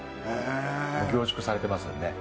もう凝縮されてますよね